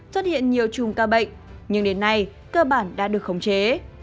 xuất hiện nhiều chùm ca bệnh nhưng đến nay cơ bản đã được khống chế